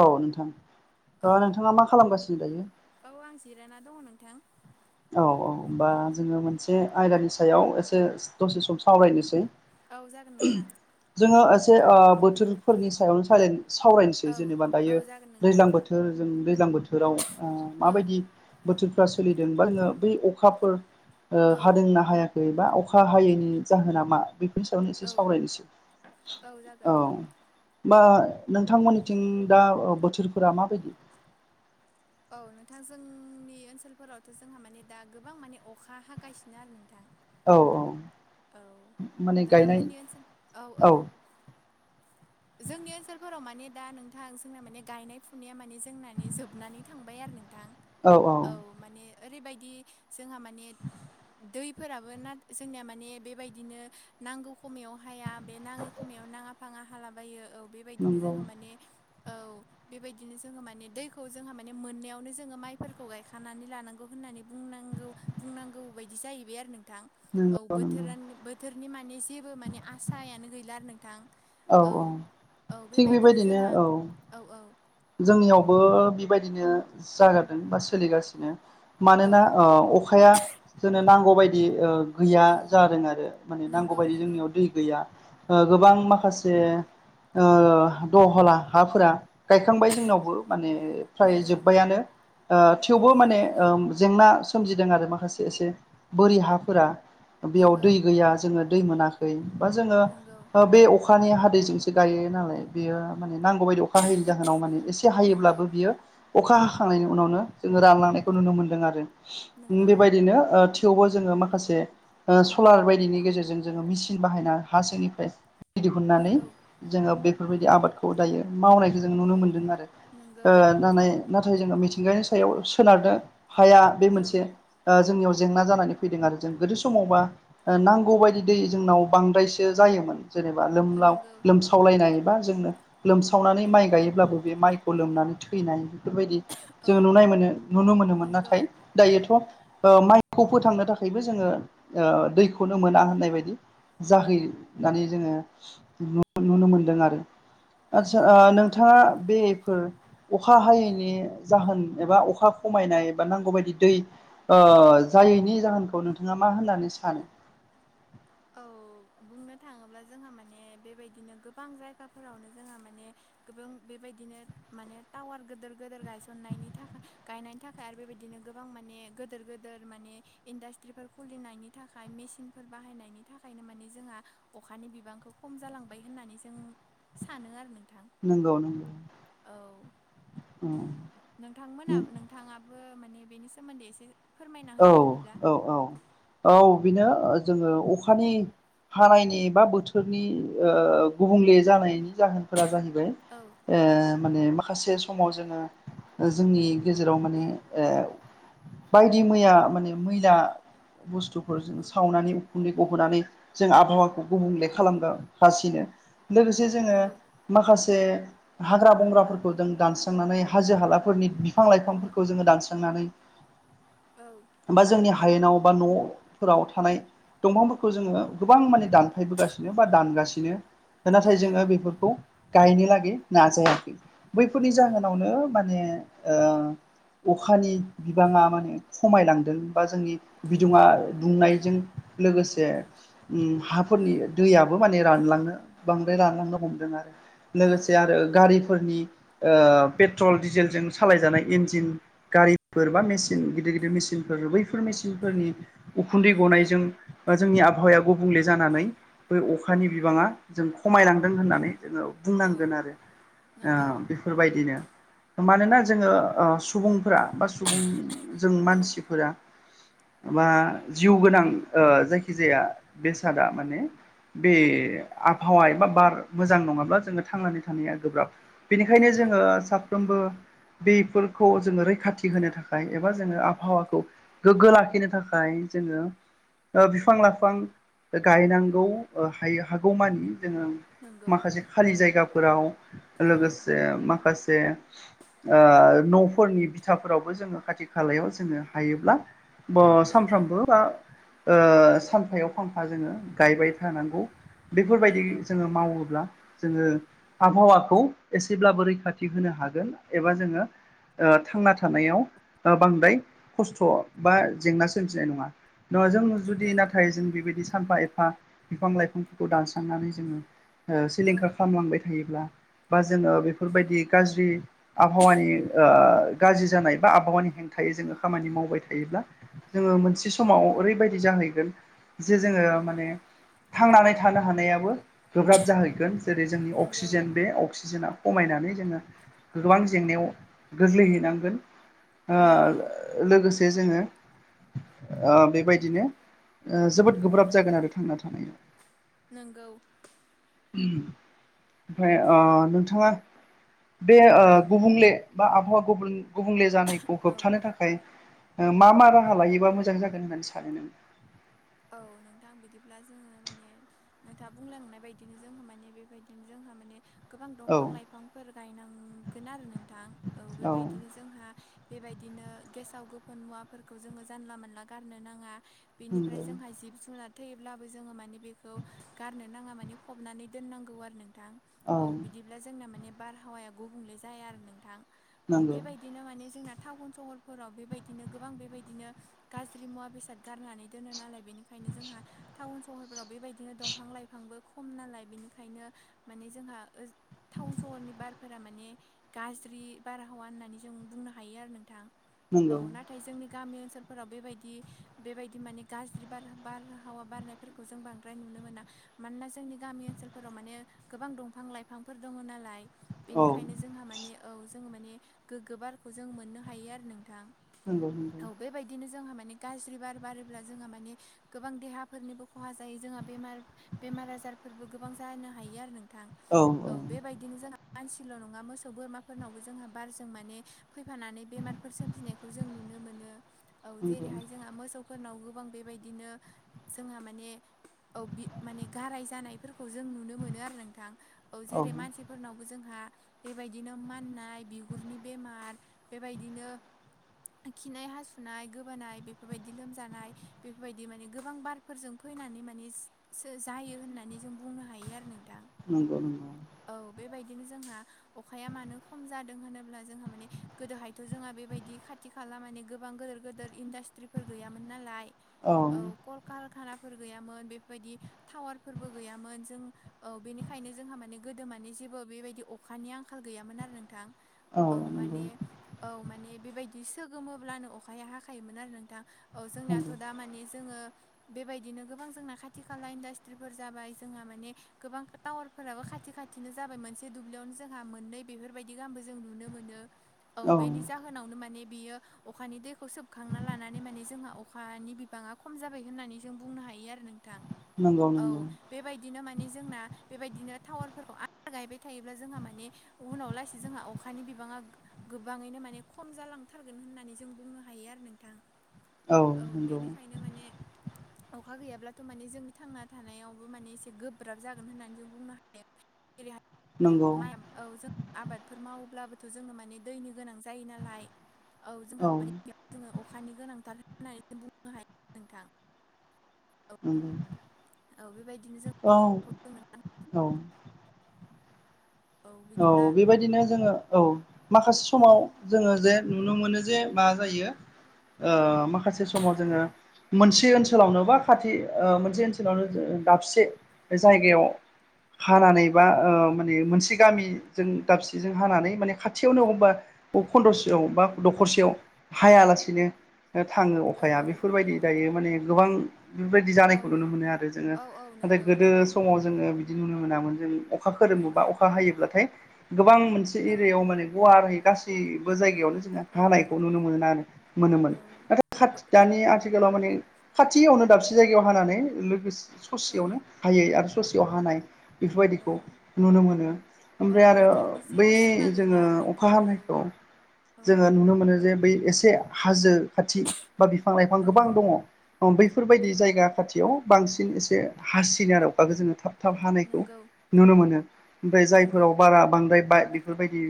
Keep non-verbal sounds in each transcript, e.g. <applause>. औ नोंथां। ओ औ नोंथाङा मा खालामगासिनो दायो? औ आं जिरायाना दङ नोंथां। औ -औ होमबा जोङो मोनसे आयदानि सायाव एसे दसे सम सावरायनोसै। औ जागोन नोंथां। जोङो एसे ओ बोथोरफोरनि सायावनो सावर सावरायनोसै औ जेनेबा औ दायो जागोन नोंथां दैज्लां बोथोर बोथोर जों दैज्लां बोथोराव ओ औ माबायदि बोथोरफ्रा सोलिदों बा जोङो बै अखाफोर ओ औ हादोंना हायाखै बा अखा हायैनि जाहोना मा बे बेनि सायावनो एसे औ सावरायनोसै, औ। बा नोंथांमोननिथिं दा ओ बोथोरफोरा माबायदि? औ नोंथां जोंनि ओनसोलफोरावथ' जोंहा माने दा गोबां माने अखा हागायसिनो आरो नोंथां। औ औ। औ माने गायनाय नोंथांमोननि ओनसोल, औ औ <inaudible> जोंनि ओनसोलफोराव माने दा नोंथां जोंना माने गायनाय फुनाया माने जोंना जोबनानै थांबाय आरो नोंथां। औ औ। माने ओरैबायदि जोंहा माने दैफोराबो ना जोंनिया माने बेबायदिनो नांगौ खमायाव हाया बे नाङै खमायाव नाङा फाङा हालाबायो औ बे बेबायदिनो नंगौ। जोंहा माने औ बेबायदिनो जोङो माने दैखौ जोंहा माने मोननायावनो जोङो माइफोरखौ गायखानानै लानांग होननानै बुंनांगौ बुंनांगौ बायदि जाहैबाय आरो नोंथां। औ नंगौ नंगौ। बोथोरानि बोथोरनि माने जेबो माने आसायानो गैला आरो नोंथां। औ औ थिग बेबायदिनो जोंहा औ औ औ। जोंनियावबो बेबायदिनो जागारदों बा सोलिगासिनो। औ मानोना ओ अखाया जोंनो नांगौ बदि ओ गैया औ जादों आरो माने नंगौ नांगौबायदि नंगौ जोंनियाव दै गैया। गोबां माखासे ओ दहला हाफोरा गायखांबाय जोंनावबो माने फ्राय नंगौ जोब्बायानो ओ थेवबो नंगौ माने नंगौ ओ जेंना सोमजिदों आरो माखासे एसे बोरि हाफोरा बेयाव नंगौ दै गैया जोङो दै मोनाखै बा जोङो नंगौ ओ बे अखा अखानि हादैजोंसो गायो नालाय बेयो माने नांगौ बायदि अखा हय जाहोनाव माने एसे नंगौ हायोब्लाबो बियो अखा हाखांनायनि उनावनो जोङो रानलांनायखौ नुनो मोन्दों आरो। ओम नंगौ बेबायदिनो ओ थेवबो जोङो माखासे ओ सलार बायदिनि गेजेरजों जोङो मिसिन बाहायना हासिंनिफ्राय दिहुननानै नोंगौ जोङो बेफोरबायदि आबादखौ दायो मावनायखौ जोङो नुनो मोन्दों आरो नोंगौ ओ नानै नाथाय जोङो मिथिंगानि सायाव सोनारनो हाया बे औ मोनसे ओ जोंनियाव जेंना जानानै फैदों आरो जों गोदो समावबा ओ नांगौ बायदि दै जोंनाव बांद्रायसो जायोमोन जेनेबा लोमलाव नोंगौ लोमसावलायनायबा जोंनो लोमसावनानै माइ गायोब्लाबो बे माइखौ लोमनानै थैनाय बेफोरबायदि औ जोङो नुनाय मोनो नुनो मोनोमोन नोंगौ नाथाय दायोथ'ओ माइखौ फोथांनो थाखायबो जोङो ओ दैखौनो मोना होननाय बायदि जाहैनानै जोङो नुनो मोनदों आरो आदसा नोंगौ ओ नों नोंथाङा बेफोर अखा हायैनि जाहोन एबा अखा खमायनाय एबा नांगौ बायदि दै ओ जायैनि जाहोनखौ नोंथाङा मा होननानै सानो औ बुंनो थाङोब्ला जोंहा माने बेबायदिनो गोबां जायगाफोरावनो जोंहा माने गोबां बेबायदिनो माने टावार गोदोर गोजोर गायसननायनि थाखाय गायनायनि थाखाय आरो बेबायदिनो गोबां माने गोदोर गोदोर माने इन्डास्ट्रिफोर खुलिनायनि थाखाय मेसिनफोर बाहायनायनि थाखायनो माने जोंहा अखानि बिबांखौ खम जालांबाय होननानै जों सानो आरो नोंथां। नंगौ। औ नोंथांमोना नोंथां थाङाबो माने बेनि सोमोन्दै एसे फोरमायना औ होदो बिदिब्ला औ औ औ बिनो जोङो अखानि हानायनि बा बोथोरनि ओ गुबुंले जानायनि जाहोनफोरा जाहैबाय औ ओ माने माखासे समाव जोङो जोंनि गेजेराव माने ओ बायदि मैया माने मैला बुस्थुफोरजों औ सावनानै उखन्दै गहोनानै जों आबहावाखौ गुबुंले खालामगा हासिनो लोगोसे जोङो नंगौ माखासे हाग्रा बंग्राफोर जों दानस्रांनानै हाजो हालाफोरनि बिफां लाइफांफोरखौ जोङो दानस्रांनानै औ बा जोंनि हायेनाव बा न'फोराव थानाय दंफांफोरखौ जोङो गोबां माने दानफायबोगासिनो बा दानगासिनो नाथाय नंगौ जोङो बेफोरखौ गायनो लागै नाजायाखै बैफोरनि नंगौ जाहोनावनो माने अखानि ओ बिबाङा माने खमायलांदों बा जोंनि बिदुङा नंगौ दुंनायजों लोगोसे ओम औ हाफोरनि दैयाबो माने रानलांनो बांद्राय रानलांनो हमदों आरो। लोगोसे नंगौ आरो गारिफोरनि ओ पेट्रल डिजेलजों सालायजानाय इन्जिन गारिफोर बा मेसिन गिदिर गिदिर मेसिनफोर बैफोर मेचनफोरनि उखुन्दै नंगौ गनायजों बा जोंनि आबहावाया गुबुंले जानानै बै अखानि बिबाङा जों खमायलांदों होननानै जोङो औ बुंनांगोन आरो नंगौ ओ बे फोरबायदिनो मानोना जोङो ओ सुबुंफोरा बा सुबुं जों औ मानसि फोरा बा जिउ गोनां ओ जायखिजाया बेसादा माने बे आबहावा एबा बार मोजां नङाब्ला जोङो थांनानै थानाया गोब्राब। बेनिखायनो नंगौ जोङो साफ्रोमबो बेफोरखौ जोङो रैखाथि होनो थाखाय एबा जोङो आबहावाखौ गोग्गो लाखिनो थाखाय जोङो बिफां लाइफां गायनांगौ ओ हायो हागौमानि जोङो नंगौ माखासे खालि जायगाफोराव औ लोगोसे माखासे न'फोरनि बिथाफोरावबो जोङो खाथि खालायाव जोङो हायोब्ला नंगौ सानफ्रामबो बा सानफायाव फांफा जोङो गायबाय थानांगौ। बेफोरबायदि नंगौ जोङो मावोब्ला जोङो आबहावाखौ एसेब्लाबो रैखाथि होनो हागोन एबा जोङो थांना थानायाव बांद्राय खस्थ' बा जेंना सोमजिनाय नङा। दङ जों जुदि नंगौ नाथाय जों बेबायदि सानफा एफ फा बिफा बिफां लाइफांफोरखौ दानस्रांनानै जोङो औ सिलिंखार खालामलांबाय थायोब्ला बा जोङो बेफोरबायदि गाज्रि आबहावानि गाज्रि जानाय बा आबहावानि हेंथायै जोङो खामानि मावबाय थायोब्ला जोङो मोनसे समाव ओरैबायदि जाहैगोन जे जोङो माने थांनानै थानो हानायाबो गोब्राब जाहैगोन। जेरै जोंनि नंगौ अक्सिजेन, बे अक्सिजेना खमायनानै जोङो गोबां जेंनायाव गोग्लैहैनांगोन। नंगौ लोगोसे जोङो बेबायदिनो ओ जोबोद गोब्राब जागोन आरो थांना थानाया। नोंगौ। ओमफ्राय नोंथाङा बे गुबुंले बा आबहावा गुबुंले जानाय खौ औ होबथानो थाखाय मा मा राहा लायोबा मोजां जागोन होननानै सानो नों। औ नोंथां बिदिब्ला जोङो माने नोंथाङा बुंलांनाय बायदिनो जोंहा माने बेबायदिनो जोंहा माने गोबां नों औ दंफां लाइफांफोर गायनांगोन आरो नोंथां। औ बेबायदिनो जोंहा बेबायदिनो गेसाव गो मुवाफोरखौ जोङो जानला मोनला गारनो नाङा। ओमफ्राय नंगौ जोंहा जिब जुनार थैयोब्लाबो जोङो माने बेखौ गारनो नाङा माने फबनानै दोननांगौ आरो नों नोंथां औ बिदिब्ला जोंना माने बारहावाया गुबुंले जाया आरो नोंथां। औ नंगौ बेबायदिनो माने जोंना टाउन सहरफोराव बेबायदिनो गोबां बेबायदिनो गाज्रि मुवा बेसाद गारनानै दोनो नालाय बेनिखायनो जोंहा टाउन सहरफोराव बेबायदिनो दंफां लाइफांबो खम नालाय बेनिखायनो माने जोंहा टाउन सहरनि बारफोरा माने गाज्रि बारहावा होननानै जों बुंनो हायो आरो नोंथां। औ नंगौ नाथाय जोंनि गामि ओनसोलफोराव बेबायदि बेबायदि माने गाज्रि बार-बार-बारहावा बारनायफोरखौ जों बांद्राय नुनो मोना। मानोना जोंनि गामि ओनसोलफोराव माने गोबां दंफां लाइफांफोर दङ नालाय। औ बेनिखायनो जोंहा माने औ जोङो माने गोग्गो बारखौ जों मोननो हायो आरो नोंथां। नंगौ नंगौ औ बेबायदिनो जोंहा माने गाज्रि बार बारो ब्ला जोंहा माने गोबां देहाफोरनिबो खहा जायो जोंहा बेमार बेमार आजारफोरबो गोबां जानो हायो आरो नों थां औ बेबायदिनो जोंहा मानसिल' नङा मोसौ बोरमाफोरनावबो जोंहा बारजों माने फैफानानै बेमारफोर सोमजिनायखौ जों नुनो मोनो औ नंगौ जेरैहाय जोंहा मोसौ फोरनाव गोबां बेबायदिनो जोंहा माने औ बि माने गाराय जानायफोरखौ जों नुनो मोनो आरो नोंथां। औ जेरै मानसिफोरनावबो जोंहा बेबायदिनो माननाय बिगुरनि बेमार बेबायदिनो खिनाय हासुनाय गोबानाय बेफोरबायदि लोमजानाय बेफोरबायदि माने गोबां बारफोरजों फैनानै माने जा-जायो होननानै जों बुंनो हायो आरो नोंथां। नंगौ नंगौ औ बेबायदिनो जोंहा अखाया मानो खम जादों होनोब्ला जोंहा माने गोदोहायथ जोंहा बेबायदि खाथि खाला माने गोबां गोदोर गेदोर इन्डास्ट्रि फोर गैयामोन नालाय औ कलकारखानाफोर गैयामोन बेफोरबायदि टावारफोरबो गैयामोन जों औ बेनिखायनो जोंहा माने गोदो माने जेबो बेबायदि अखानि आंखाल गैयामोन आरो नों थां औ माने औ माने बेबायदि सोगोमोब्लानो अखाया हाखायोमोन आरो नोंथां। औ जोंनाथ दा माने जोङो बेबायदिनो गोबां जोंना खाथि खाला इन्डास्ट्रिफोर जाबाय जोंहा माने गोबां टावार फोराबो खाथि खाथिनो जाबाय मोनसे दुब्लियावनो जोंहा मोननै बेफोरबायदि गाहामबो जों नुनो मोनो। औ बेनि जाहोनावनो माने बियो अखानि दैखौ सोबखांना लाना नि माने जोंहा अखानि बिबांआ खम जाबाय होननानै जों बुंनो हायो आरो नोंथां नंगौ नंगौ नंगौ औ। बेबायदिनो माने जोंना बेबायदिनो टावारफोरखौ आ गायबाय थायोब्ला जोंहा माने उनाव लासै जोंहा अखानि बिबाङा गोबाङैनो माने खम जालांथारगोन होननानै जों बुंनो हायो आरो नोंथां। औ बेनिखायनो माने अखा गैयाब्लाथ माने जोंनि थांना थानायावबो माने एसे गोब्राब जागोन होननानै जों बुंनो हायो। नंगौ <unintelligible> औ जों आबादफोर मावोब्लाबोथ जोंनो माने दैनि गोनां जायो नालाय। औ जोंहा माने बेयाव जोङो अखानि गोनांथार होननानै जों बुंनो हायो नोंथां। औ नंगौ औ बेबायदिनो जों औ अखाखौ जोंनो ना औ औ बिदिब्ला बेबायदिनो जोङो औ माखासे औ समाव जोङो जे नुनो मोनो जे माजायो ओ मा माखासे समाव जोङो मोनसे ओ ओनसोलावनो बा खाथि ओ मोनसे ओनसोलावनो जो दाबसे जायगायाव हानानै बा ओ माने मोनसे गामिजों दाबसेजों हानानै माने खाथियावनो अबावबा खनदसेयाव बा दखरसेयाव हायालासिनो थाङो औ अखाया औ बेफोरबायदि दायो माने गोबां बेफोरबायदि औ जानायखौ नुनो मोनो आरो जोङो औ औ नाथाय नंगौ गोदो नंगौ समाव जोङो बिदि नुनो मोनामोन जों अखा खोरोमोबा नंगौ अखा हायोब्लाथाय गोबां मोनसे औ एरियायाव माने गुवारै गासिबो जायगायावनो औ हानायखौ नुनो मोना मोनोमोन औ नाथाय बो खाथि दानि आथिखालाव माने खाथियावनो दाबसे जायगायाव हानानै लोगोस औ सेयावनो हायै आरो ससेयाव हानाय औ बेफोरबायदिखौ नुनो मोनो। औ ओमफ्राय आरो बोथोरनि बै जेबो सिमा जोङो गैला आरो अखा नोंथां औ हानायखौ औ जोङो नु नुनो मोनो जे बै एसे हाजो खाथि बा बिफां लाइफां औ गोबां औ दङ औ बैफोरबायदि नंगौ जायगा खाथियाव बांसिन एसे हासिना आरो अखाखो जोङो थाब थाब हानायखौ नंगौ नुनो मोनो। ओमफ्राय नंगौ जायफोराव बारा बांद्राय बाय बेफोरबायदि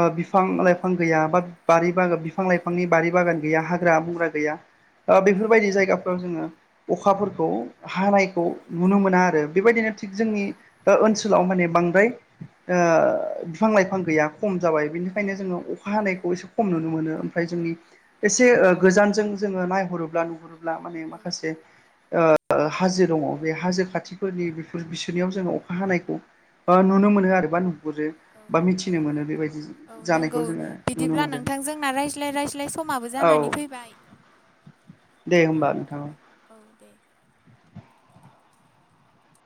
ओ बिफां लाइफां गैया बा बारि बागान बिफां लाइफांनि बारि बागान गैया हाग्रा बंग्रा गैया ओ औ बेफोरबायदि जायगाफ्राव जोङो अखाफोरखौ हानाय खौ औ नुनो मोना आरो बेबायदिनो थिग जोंनि औ ओ ओनसोलाव माने बांद्राय ओ बिफां लाइफां गैया खम जाबाय बेनिखायनो जोङो अखा नंगौ हानायखौ खम नुनो मोनो ओमफ्राय जोंनि एसे गोजानजों जोङो नायहरोब्ला नुहुरो। ब्ला माने औ माखासे ओ ओ हाजो दङ बे हाजो खाथिफोरनि बेफोर बिसोरनियाव जोंङो अखा हानायखौ ओ नुनो मोनो आरो बा नुहुरो। औ बा औ मिथिनो मोनो बेबायदि औ जानायखौ नंगौ जोङो नुनो बिदिब्ला मोनदों नोंथांजों ना रायज्लाय रायज्लाय ज्लाय समाबो औ जानानै फैबाय। दे औ होमबा नोथां। औ दे